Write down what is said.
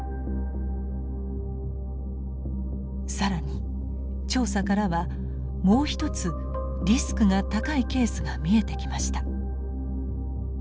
更に調査からはもう一つリスクが高いケースが見えてきました。